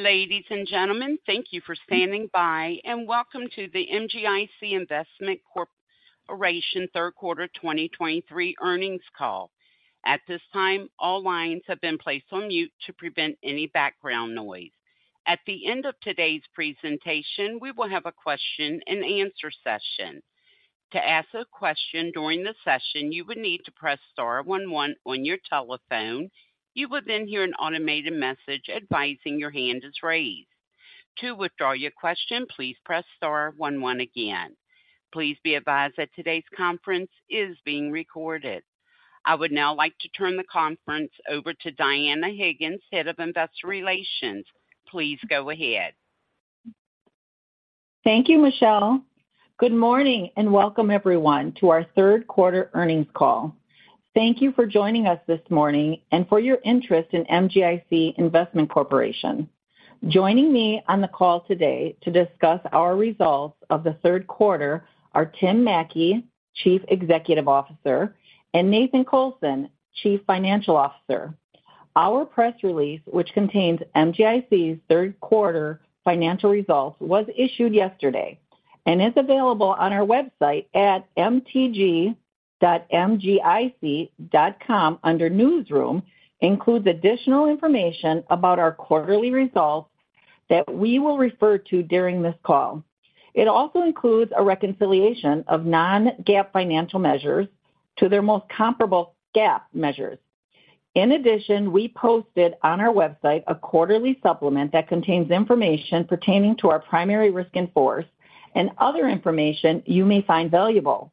Ladies and gentlemen, thank you for standing by, and welcome to the MGIC Investment Corporation Third Quarter 2023 Earnings Call. At this time, all lines have been placed on mute to prevent any background noise. At the end of today's presentation, we will have a question-and-answer session. To ask a question during the session, you would need to press star one one on your telephone. You will then hear an automated message advising your hand is raised. To withdraw your question, please press star one one again. Please be advised that today's conference is being recorded. I would now like to turn the conference over to Dianna Higgins, Head of Investor Relations. Please go ahead. Thank you, Michelle. Good morning, and welcome everyone to our third quarter earnings call. Thank you for joining us this morning and for your interest in MGIC Investment Corporation. Joining me on the call today to discuss our results of the third quarter are Tim Mattke, Chief Executive Officer, and Nathan Colson, Chief Financial Officer. Our press release, which contains MGIC's third quarter financial results, was issued yesterday and is available on our website at mtg.mgic.com under Newsroom and includes additional information about our quarterly results that we will refer to during this call. It also includes a reconciliation of non-GAAP financial measures to their most comparable GAAP measures. In addition, we posted on our website a quarterly supplement that contains information pertaining to our primary risk in force and other information you may find valuable.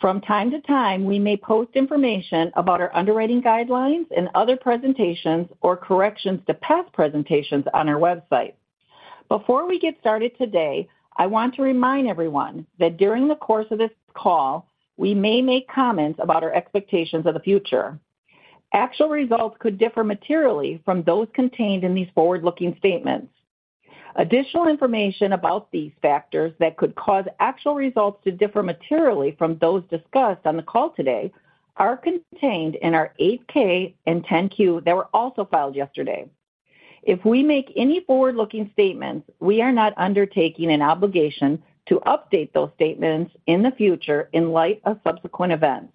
From time to time, we may post information about our underwriting guidelines and other presentations or corrections to past presentations on our website. Before we get started today, I want to remind everyone that during the course of this call, we may make comments about our expectations of the future. Actual results could differ materially from those contained in these forward-looking statements. Additional information about these factors that could cause actual results to differ materially from those discussed on the call today are contained in our 8-K and 10-Q that were also filed yesterday. If we make any forward-looking statements, we are not undertaking an obligation to update those statements in the future in light of subsequent events.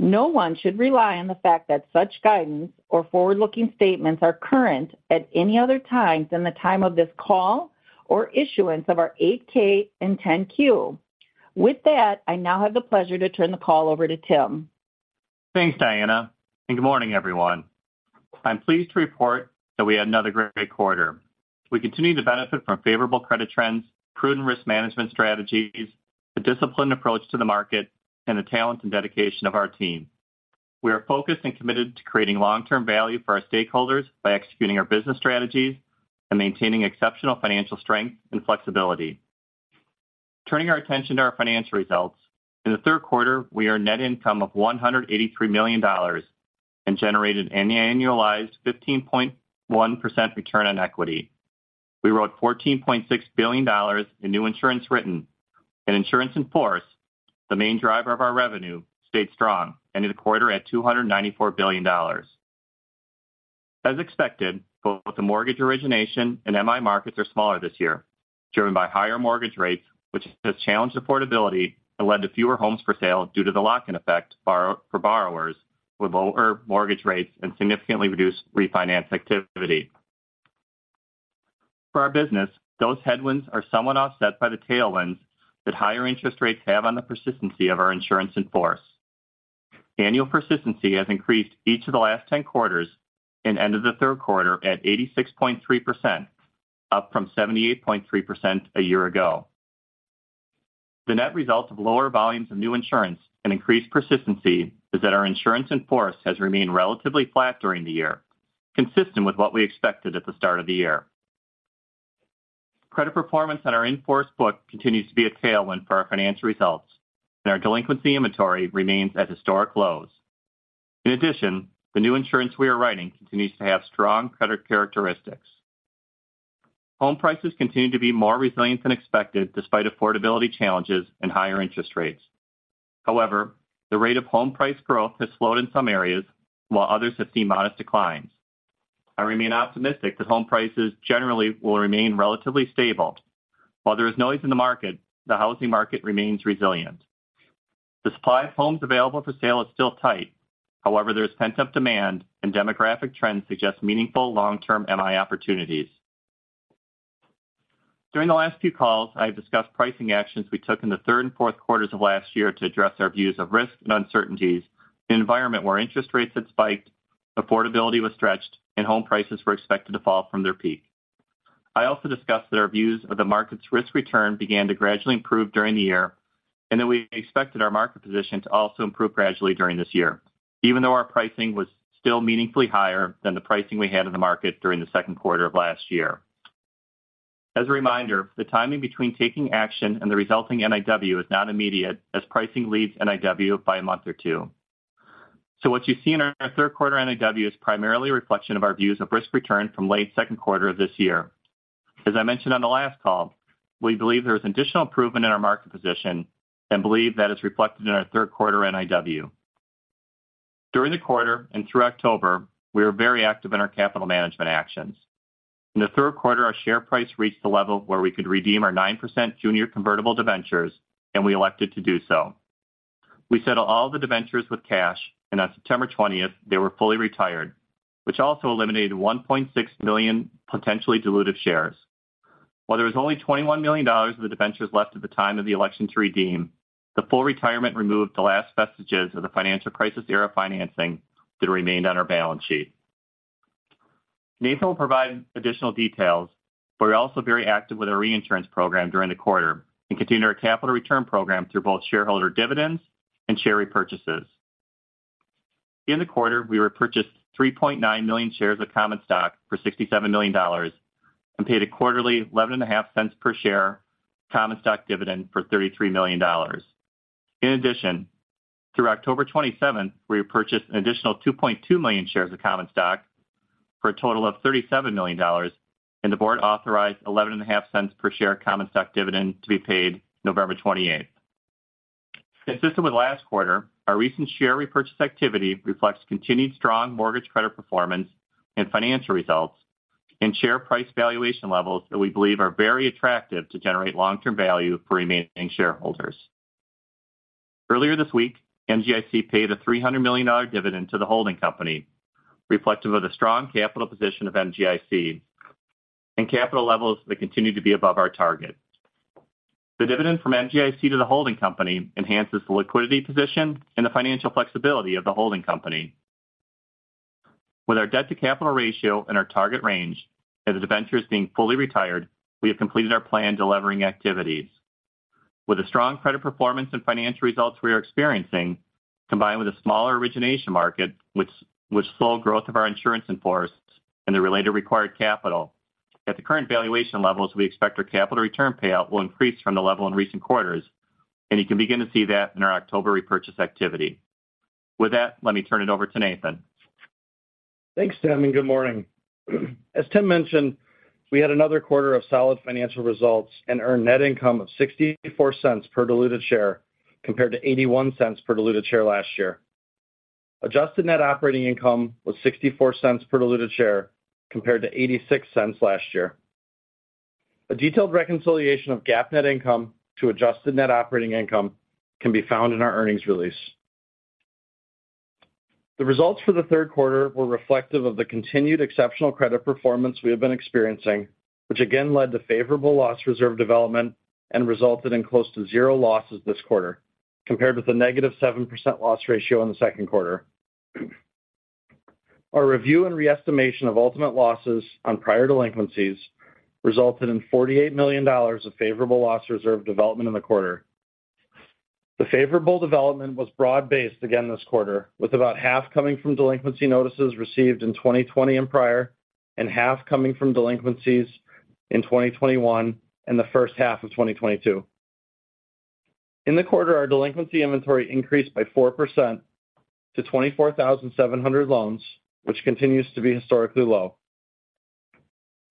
No one should rely on the fact that such guidance or forward-looking statements are current at any other time than the time of this call or issuance of our 8-K and 10-Q. With that, I now have the pleasure to turn the call over to Tim. Thanks, Dianna, and good morning, everyone. I'm pleased to report that we had another great quarter. We continue to benefit from favorable credit trends, prudent risk management strategies, a disciplined approach to the market, and the talent and dedication of our team. We are focused and committed to creating long-term value for our stakeholders by executing our business strategies and maintaining exceptional financial strength and flexibility. Turning our attention to our financial results, in the third quarter, we earned net income of $183 million and generated an annualized 15.1% return on equity. We wrote $14.6 billion in new insurance written and insurance in force, the main driver of our revenue, stayed strong, ending the quarter at $294 billion. As expected, both the mortgage origination and MI markets are smaller this year, driven by higher mortgage rates, which has challenged affordability and led to fewer homes for sale due to the lock-in effect for borrowers with lower mortgage rates and significantly reduced refinance activity. For our business, those headwinds are somewhat offset by the tailwinds that higher interest rates have on the persistency of our insurance in force. Annual persistency has increased each of the last 10 quarters and ended the third quarter at 86.3%, up from 78.3% a year ago. The net result of lower volumes of new insurance and increased persistency is that our insurance in force has remained relatively flat during the year, consistent with what we expected at the start of the year. Credit performance on our in-force book continues to be a tailwind for our financial results, and our delinquency inventory remains at historic lows. In addition, the new insurance we are writing continues to have strong credit characteristics. Home prices continue to be more resilient than expected, despite affordability challenges and higher interest rates. However, the rate of home price growth has slowed in some areas, while others have seen modest declines. I remain optimistic that home prices generally will remain relatively stable. While there is noise in the market, the housing market remains resilient. The supply of homes available for sale is still tight. However, there is pent-up demand and demographic trends suggest meaningful long-term MI opportunities. During the last few calls, I have discussed pricing actions we took in the third and fourth quarters of last year to address our views of risk and uncertainties, an environment where interest rates had spiked, affordability was stretched, and home prices were expected to fall from their peak. I also discussed that our views of the market's risk return began to gradually improve during the year, and that we expected our market position to also improve gradually during this year, even though our pricing was still meaningfully higher than the pricing we had in the market during the second quarter of last year. As a reminder, the timing between taking action and the resulting NIW is not immediate, as pricing leads NIW by a month or two. So what you see in our third quarter NIW is primarily a reflection of our views of risk return from late second quarter of this year. As I mentioned on the last call, we believe there is additional improvement in our market position and believe that it's reflected in our third quarter NIW. During the quarter and through October, we were very active in our capital management actions. In the third quarter, our share price reached a level where we could redeem our 9% junior convertible debentures, and we elected to do so. We settled all the debentures with cash, and on September 20, they were fully retired, which also eliminated 1.6 million potentially dilutive shares. While there was only $21 million of the debentures left at the time of the election to redeem, the full retirement removed the last vestiges of the financial crisis era financing that remained on our balance sheet. Nathan will provide additional details, but we're also very active with our reinsurance program during the quarter and continued our capital return program through both shareholder dividends and share repurchases. In the quarter, we repurchased 3.9 million shares of common stock for $67 million and paid a quarterly $0.115 per share common stock dividend for $33 million. In addition, through October 27, we repurchased an additional 2.2 million shares of common stock for a total of $37 million, and the board authorized $0.115 per share common stock dividend to be paid November 28. Consistent with last quarter, our recent share repurchase activity reflects continued strong mortgage credit performance and financial results, and share price valuation levels that we believe are very attractive to generate long-term value for remaining shareholders. Earlier this week, MGIC paid a $300 million dividend to the holding company, reflective of the strong capital position of MGIC and capital levels that continue to be above our target. The dividend from MGIC to the holding company enhances the liquidity position and the financial flexibility of the holding company. With our debt-to-capital ratio and our target range, as the debenture is being fully retired, we have completed our plan to delevering activities. With the strong credit performance and financial results we are experiencing, combined with a smaller origination market, which slows growth of our insurance in force and the related required capital.At the current valuation levels, we expect our capital return payout will increase from the level in recent quarters, and you can begin to see that in our October repurchase activity. With that, let me turn it over to Nathan. Thanks, Tim, and good morning. As Tim mentioned, we had another quarter of solid financial results and earned net income of $0.64 per diluted share, compared to $0.81 per diluted share last year. Adjusted net operating income was $0.64 per diluted share, compared to $0.86 last year. A detailed reconciliation of GAAP net income to adjusted net operating income can be found in our earnings release. The results for the third quarter were reflective of the continued exceptional credit performance we have been experiencing, which again led to favorable loss reserve development and resulted in close to zero losses this quarter, compared with a -7% loss ratio in the second quarter. Our review and re-estimation of ultimate losses on prior delinquencies resulted in $48 million of favorable loss reserve development in the quarter. The favorable development was broad-based again this quarter, with about half coming from delinquency notices received in 2020 and prior, and half coming from delinquencies in 2021 and the first half of 2022. In the quarter, our delinquency inventory increased by 4% to 24,700 loans, which continues to be historically low.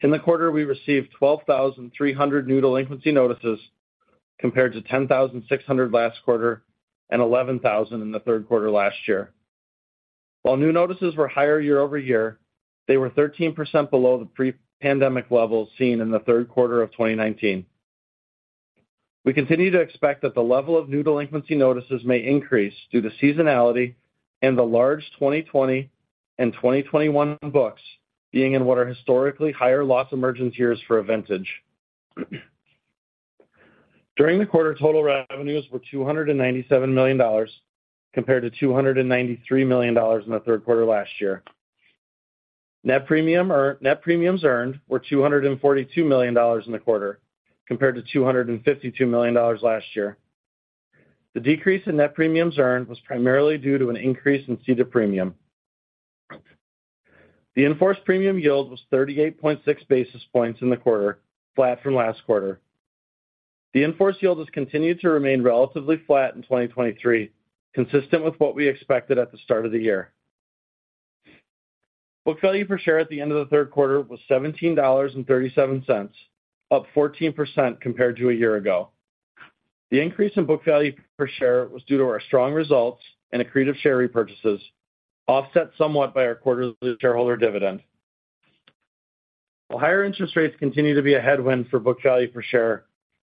In the quarter, we received 12,300 new delinquency notices, compared to 10,600 last quarter and 11,000 in the third quarter last year. While new notices were higher year-over-year, they were 13% below the pre-pandemic levels seen in the third quarter of 2019. We continue to expect that the level of new delinquency notices may increase due to seasonality and the large 2020 and 2021 books being in what are historically higher loss emergence years for a vintage. During the quarter, total revenues were $297 million, compared to $293 million in the third quarter last year. Net premium or net premiums earned were $242 million in the quarter, compared to $252 million last year. The decrease in net premiums earned was primarily due to an increase in ceded premium. The insurance premium yield was 38.6 basis points in the quarter, flat from last quarter. The insurance yield has continued to remain relatively flat in 2023, consistent with what we expected at the start of the year. Book value per share at the end of the third quarter was $17.37, up 14% compared to a year ago. The increase in book value per share was due to our strong results and accretive share repurchases, offset somewhat by our quarterly shareholder dividend. While higher interest rates continue to be a headwind for book value per share,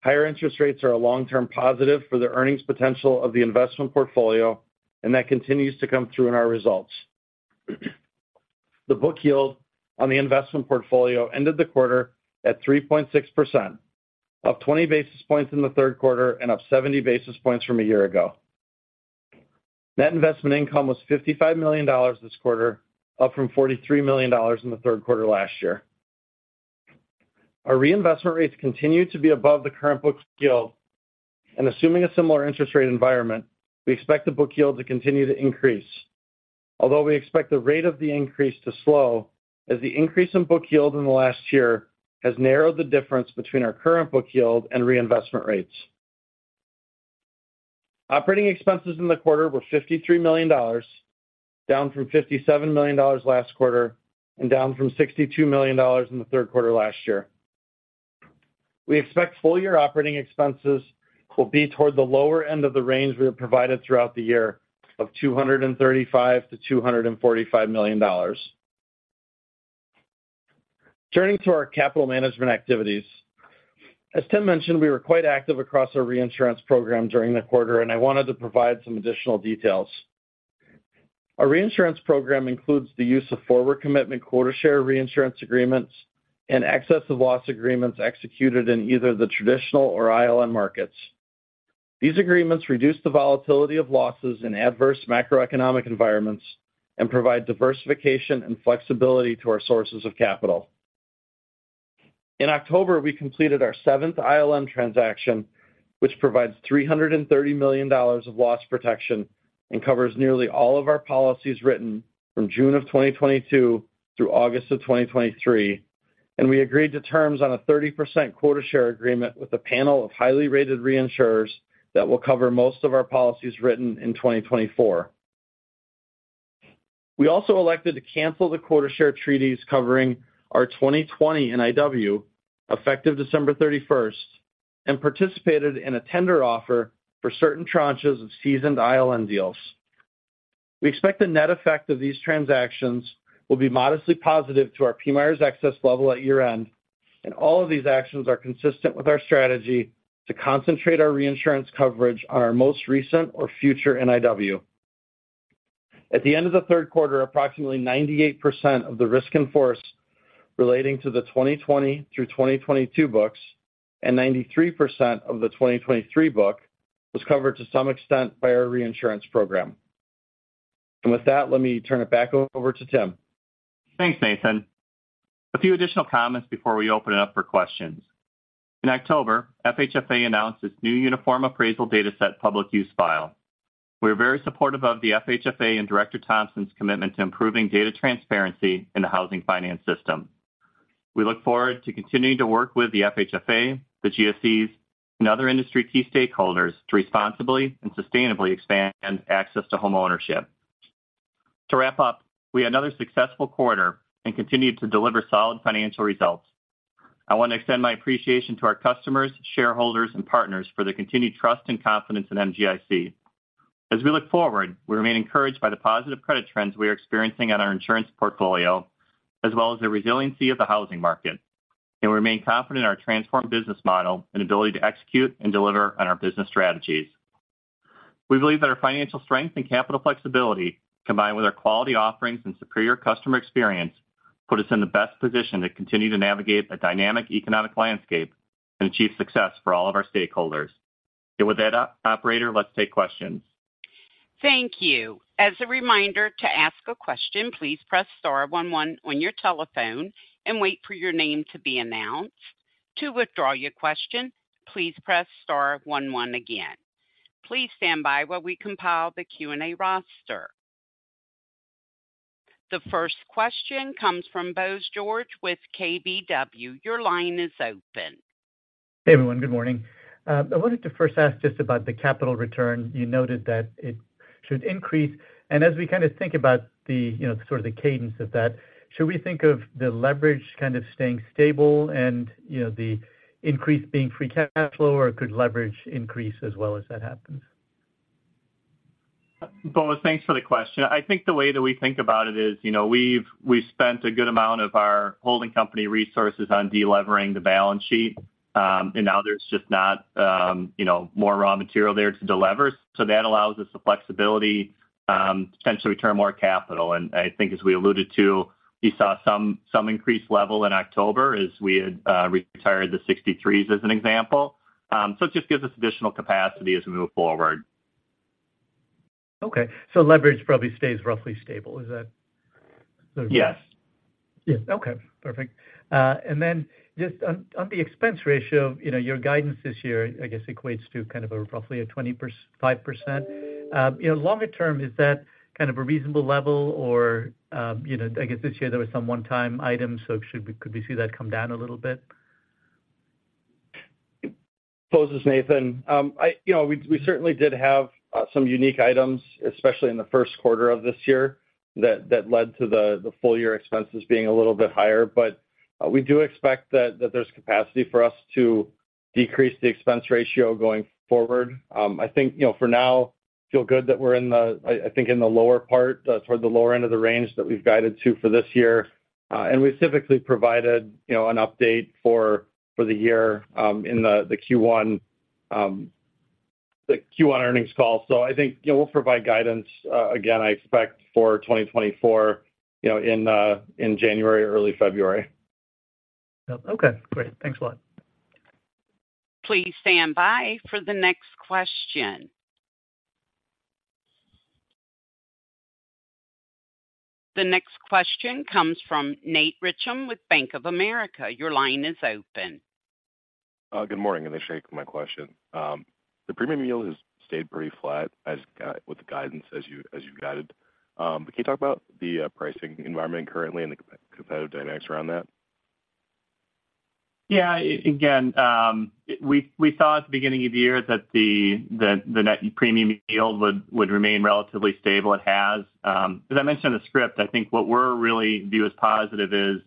higher interest rates are a long-term positive for the earnings potential of the investment portfolio, and that continues to come through in our results. The book yield on the investment portfolio ended the quarter at 3.6%, up 20 basis points in the third quarter and up 70 basis points from a year ago. Net investment income was $55 million this quarter, up from $43 million in the third quarter last year. Our reinvestment rates continue to be above the current book's yield, and assuming a similar interest rate environment, we expect the book yield to continue to increase, although we expect the rate of the increase to slow as the increase in book yield in the last year has narrowed the difference between our current book yield and reinvestment rates. Operating expenses in the quarter were $53 million, down from $57 million last quarter and down from $62 million in the third quarter last year. We expect full year operating expenses will be toward the lower end of the range we have provided throughout the year of $235 million-$245 million. Turning to our capital management activities. As Tim mentioned, we were quite active across our reinsurance program during the quarter, and I wanted to provide some additional details. Our reinsurance program includes the use of forward commitment quota share reinsurance agreements and excess of loss agreements executed in either the traditional or ILN markets. These agreements reduce the volatility of losses in adverse macroeconomic environments and provide diversification and flexibility to our sources of capital. In October, we completed our seventh ILN transaction, which provides $330 million of loss protection and covers nearly all of our policies written from June 2022 through August 2023, and we agreed to terms on a 30% quota share agreement with a panel of highly rated reinsurers that will cover most of our policies written in 2024. We also elected to cancel the quota share treaties covering our 2020 NIW, effective December 31, and participated in a tender offer for certain tranches of seasoned ILN deals. We expect the net effect of these transactions will be modestly positive to our PMIERs excess level at year-end, and all of these actions are consistent with our strategy to concentrate our reinsurance coverage on our most recent or future NIW. At the end of the third quarter, approximately 98% of the risk in force relating to the 2020 through 2022 books, and 93% of the 2023 book was covered to some extent by our reinsurance program. And with that, let me turn it back over to Tim. Thanks, Nathan. A few additional comments before we open it up for questions. In October, FHFA announced its new Uniform Appraisal Dataset Public Use File. We're very supportive of the FHFA and Director Thompson's commitment to improving data transparency in the housing finance system. We look forward to continuing to work with the FHFA, the GSEs, and other industry key stakeholders to responsibly and sustainably expand access to homeownership. To wrap up, we had another successful quarter and continued to deliver solid financial results. I want to extend my appreciation to our customers, shareholders, and partners for their continued trust and confidence in MGIC. As we look forward, we remain encouraged by the positive credit trends we are experiencing on our insurance portfolio, as well as the resiliency of the housing market, and we remain confident in our transformed business model and ability to execute and deliver on our business strategies. We believe that our financial strength and capital flexibility, combined with our quality offerings and superior customer experience, put us in the best position to continue to navigate a dynamic economic landscape and achieve success for all of our stakeholders. And with that, operator, let's take questions. Thank you. As a reminder to ask a question, please press star one one on your telephone and wait for your name to be announced. To withdraw your question, please press star one one again. Please stand by while we compile the Q&A roster. The first question comes from Bose George with KBW. Your line is open. Hey, everyone. Good morning. I wanted to first ask just about the capital return. You noted that it should increase, and as we kind of think about the, you know, sort of the cadence of that, should we think of the leverage kind of staying stable and, you know, the increase being free cash flow, or could leverage increase as well as that happens? Bose, thanks for the question. I think the way that we think about it is, you know, we've spent a good amount of our holding company resources on delevering the balance sheet, and now there's just not, you know, more raw material there to delever. So that allows us the flexibility to potentially return more capital. And I think as we alluded to, we saw some increased level in October as we had retired the 63s as an example. So it just gives us additional capacity as we move forward. Okay, so leverage probably stays roughly stable. Is that the? Yes. Yes. Okay, perfect. And then just on the expense ratio, you know, your guidance this year, I guess, equates to kind of a roughly 25%. You know, longer term, is that kind of a reasonable level or, you know, I guess this year there was some one-time items, so could we see that come down a little bit? Bose, it's Nathan. You know, we certainly did have some unique items, especially in the first quarter of this year, that led to the full year expenses being a little bit higher. But we do expect that there's capacity for us to decrease the expense ratio going forward. I think, you know, for now, feel good that we're in the, I think, in the lower part, toward the lower end of the range that we've guided to for this year. And we've typically provided, you know, an update for the year in the Q1 earnings call. So I think, you know, we'll provide guidance again, I expect for 2024, you know, in January or early February. Okay, great. Thanks a lot. Please stand by for the next question. The next question comes from Nate Richam with Bank of America. Your line is open. Good morning, and thanks for taking my question. The premium yield has stayed pretty flat, as you guided. But can you talk about the pricing environment currently and the competitive dynamics around that? Yeah, again, we thought at the beginning of the year that the net premium yield would remain relatively stable. It has. As I mentioned in the script, I think what we're really view as positive is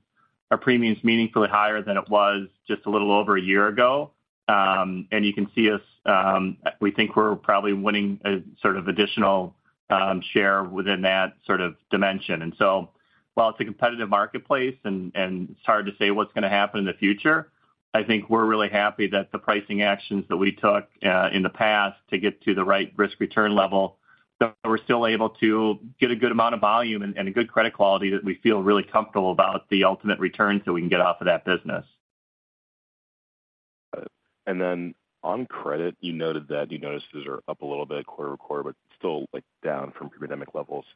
our premium is meaningfully higher than it was just a little over a year ago. And you can see us, we think we're probably winning a sort of additional share within that sort of dimension. And so while it's a competitive marketplace and it's hard to say what's going to happen in the future, I think we're really happy that the pricing actions that we took in the past to get to the right risk-return level, that we're still able to get a good amount of volume and a good credit quality that we feel really comfortable about the ultimate return so we can get off of that business. Then on credit, you noted that your notices are up a little bit quarter-over-quarter, but still, like, down from pre-pandemic levels.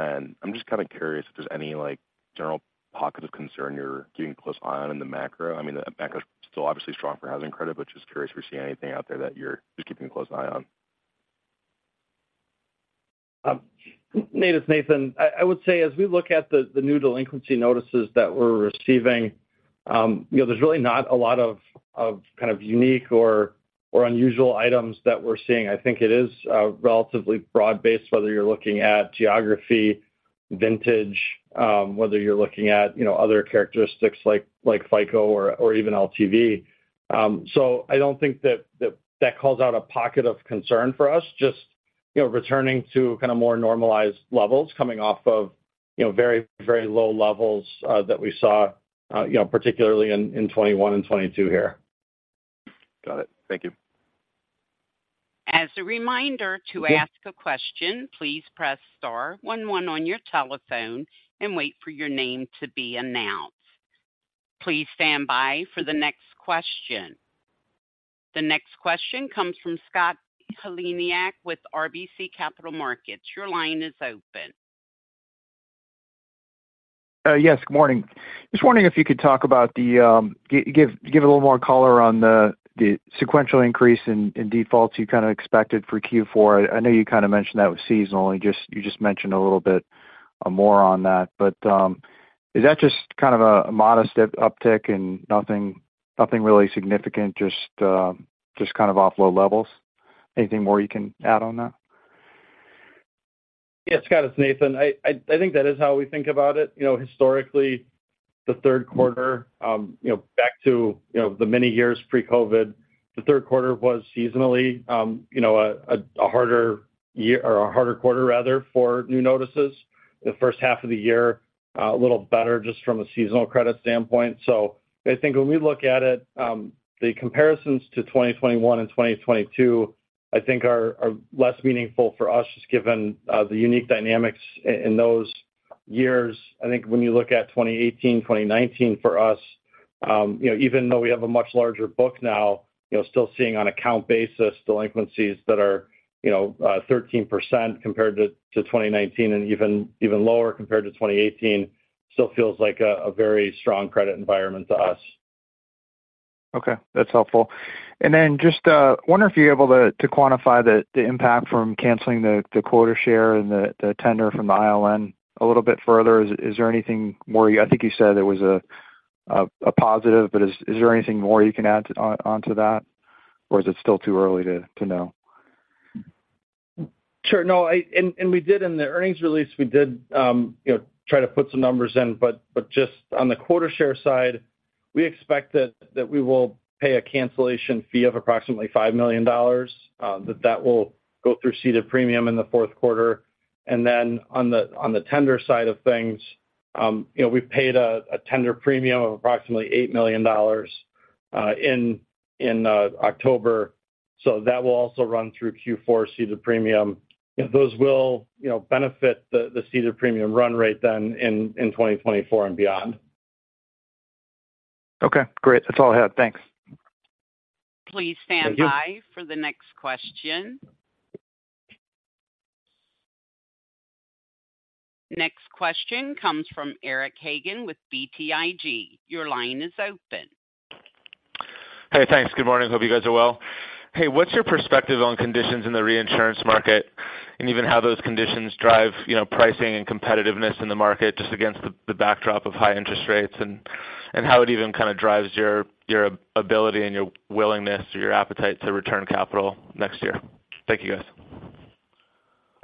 And I'm just kind of curious if there's any, like, general pocket of concern you're keeping a close eye on in the macro. I mean, the macro is still obviously strong for housing credit, but just curious if we're seeing anything out there that you're just keeping a close eye on. Nate, it's Nathan. I would say, as we look at the new delinquency notices that we're receiving, you know, there's really not a lot of kind of unique or unusual items that we're seeing. I think it is relatively broad-based, whether you're looking at geography, vintage, whether you're looking at, you know, other characteristics like FICO or even LTV. So I don't think that calls out a pocket of concern for us, just, you know, returning to kind of more normalized levels, coming off of, you know, very, very low levels that we saw, you know, particularly in 2021 and 2022 here. Got it. Thank you. As a reminder, to ask a question, please press star one one on your telephone and wait for your name to be announced. Please stand by for the next question. The next question comes from Scott Heleniak with RBC Capital Markets. Your line is open. Yes, good morning. Just wondering if you could talk about the give a little more color on the sequential increase in defaults you kind of expected for Q4. I know you kind of mentioned that was seasonal, and just -- you just mentioned a little bit, more on that. But, is that just kind of a modest uptick and nothing really significant, just just kind of off low levels? Anything more you can add on that? Yeah, Scott, it's Nathan. I think that is how we think about it. You know, historically, the third quarter, you know, back to, you know, the many years pre-COVID, the third quarter was seasonally, you know, a harder year or a harder quarter, rather, for new notices. The first half of the year, a little better just from a seasonal credit standpoint. So I think when we look at it, the comparisons to 2021 and 2022, I think are less meaningful for us, just given the unique dynamics in those years. I think when you look at 2018, 2019 for us, you know, even though we have a much larger book now, you know, still seeing on account basis delinquencies that are, you know, 13% compared to 2019 and even lower compared to 2018, still feels like a very strong credit environment to us. Okay, that's helpful. And then just wonder if you're able to quantify the impact from canceling the quota share and the tender from the ILN a little bit further. Is there anything more? I think you said it was a positive, but is there anything more you can add on to that, or is it still too early to know? Sure. No, I and we did in the earnings release, we did, you know, try to put some numbers in. But just on the quota share side, we expect that we will pay a cancellation fee of approximately $5 million, that will go through ceded premium in the fourth quarter. And then on the tender side of things, you know, we paid a tender premium of approximately $8 million in October, so that will also run through Q4 ceded premium. Those will, you know, benefit the ceded premium run rate then in 2024 and beyond. Okay, great. That's all I had. Thanks. Please stand by. Thank you. For the next question. Next question comes from Eric Hagen with BTIG. Your line is open. Hey, thanks. Good morning. Hope you guys are well. Hey, what's your perspective on conditions in the reinsurance market and even how those conditions drive, you know, pricing and competitiveness in the market, just against the, the backdrop of high interest rates? And, and how it even kind of drives your, your ability and your willingness or your appetite to return capital next year. Thank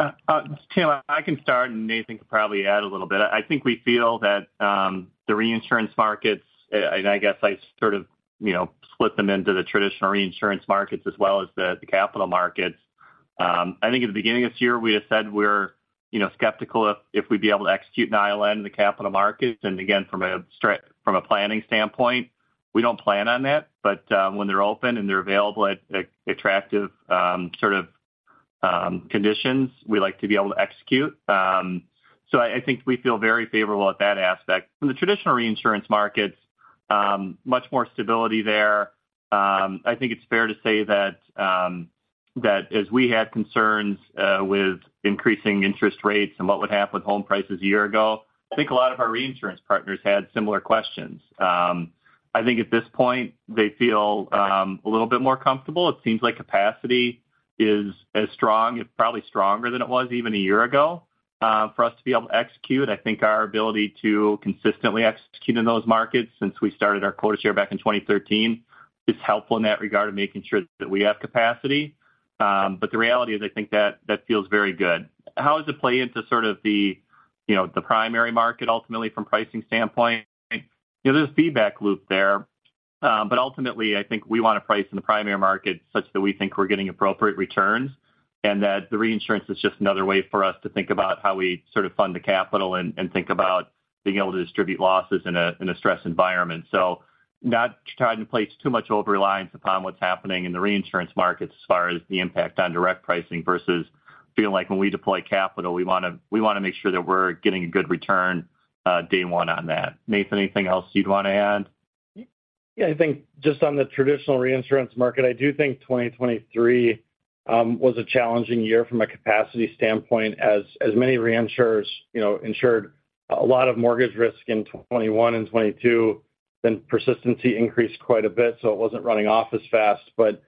you, guys. Tim, I can start, and Nathan could probably add a little bit. I think we feel that the reinsurance markets, and I guess I sort of, you know, split them into the traditional reinsurance markets as well as the capital markets. I think at the beginning of this year, we had said we're, you know, skeptical if we'd be able to execute an ILN in the capital markets. And again, from a planning standpoint, we don't plan on that. But when they're open and they're available at attractive, sort of, conditions, we like to be able to execute. So I think we feel very favorable at that aspect. From the traditional reinsurance markets, much more stability there. I think it's fair to say that as we had concerns with increasing interest rates and what would happen with home prices a year ago, I think a lot of our reinsurance partners had similar questions. I think at this point, they feel a little bit more comfortable. It seems like capacity is as strong, if probably stronger than it was even a year ago. For us to be able to execute, I think our ability to consistently execute in those markets since we started our quota share back in 2013. It's helpful in that regard of making sure that we have capacity. But the reality is, I think that, that feels very good. How does it play into sort of the, you know, the primary market ultimately from pricing standpoint? You know, there's a feedback loop there. But ultimately, I think we want to price in the primary market such that we think we're getting appropriate returns, and that the reinsurance is just another way for us to think about how we sort of fund the capital and, and think about being able to distribute losses in a, in a stress environment. So not trying to place too much overreliance upon what's happening in the reinsurance markets as far as the impact on direct pricing, versus feeling like when we deploy capital, we wanna make sure that we're getting a good return, day one on that. Nathan, anything else you'd want to add? Yeah, I think just on the traditional reinsurance market, I do think 2023 was a challenging year from a capacity standpoint, as many reinsurers, you know, insured a lot of mortgage risk in 2021 and 2022, then persistency increased quite a bit, so it wasn't running off as fast. But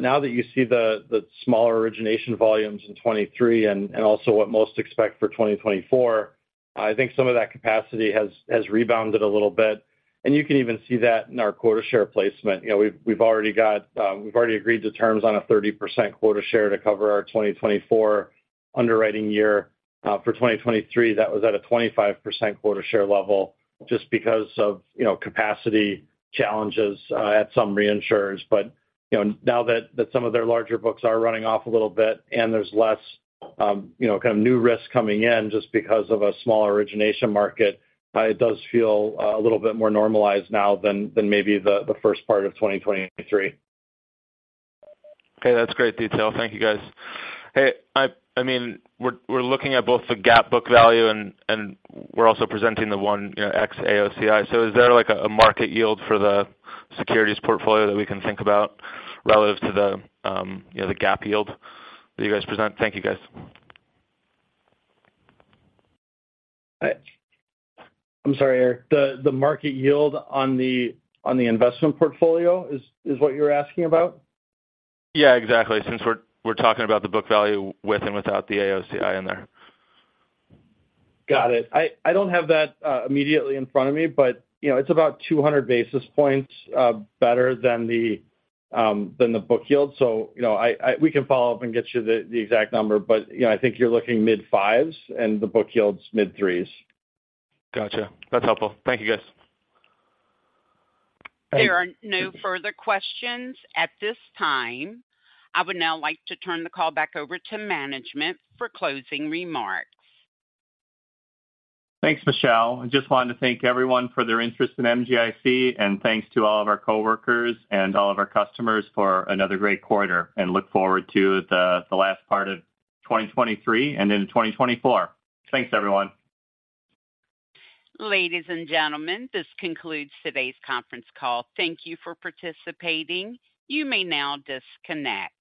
now that you see the smaller origination volumes in 2023 and also what most expect for 2024, I think some of that capacity has rebounded a little bit. You can even see that in our quota share placement. You know, we've already agreed to terms on a 30% quota share to cover our 2024 underwriting year. For 2023, that was at a 25% quota share level just because of, you know, capacity challenges at some reinsurers. But, you know, now that some of their larger books are running off a little bit and there's less, you know, kind of new risk coming in just because of a smaller origination market, it does feel a little bit more normalized now than maybe the first part of 2023. Okay, that's great detail. Thank you, guys. Hey, I mean, we're looking at both the GAAP book value, and we're also presenting the one, you know, ex-AOCI. So is there, like, a market yield for the securities portfolio that we can think about relative to the, you know, the GAAP yield that you guys present? Thank you, guys. I'm sorry, Eric. The market yield on the investment portfolio is what you're asking about? Yeah, exactly. Since we're talking about the book value with and without the AOCI in there. Got it. I don't have that immediately in front of me, but, you know, it's about 200 basis points better than the book yield. So, you know, we can follow up and get you the exact number, but, you know, I think you're looking mid-fives, and the book yield's mid-threes. Gotcha. That's helpful. Thank you, guys. There are no further questions at this time. I would now like to turn the call back over to management for closing remarks. Thanks, Michelle. I just wanted to thank everyone for their interest in MGIC, and thanks to all of our coworkers and all of our customers for another great quarter, and look forward to the last part of 2023 and into 2024. Thanks, everyone. Ladies and gentlemen, this concludes today's conference call. Thank you for participating. You may now disconnect.